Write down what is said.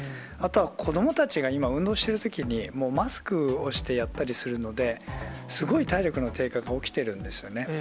あとは子どもたちが今、運動しているときに、マスクをしてやったりするので、すごい体力の低下が起きてるんですよね。